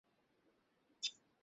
এদের নিজস্ব কোন মাঠ নেই।